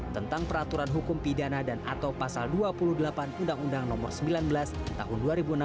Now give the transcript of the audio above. tentang peraturan hukum pidana dan atau pasal dua puluh delapan undang undang nomor sembilan belas tahun dua ribu enam belas